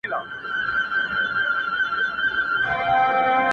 که به ډنډ ته د سېلۍ په زور رسېږم-